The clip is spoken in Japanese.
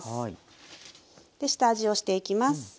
下味をしていきます。